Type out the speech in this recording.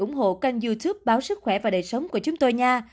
ủng hộ kênh youtube báo sức khỏe và đời sống của chúng tôi nha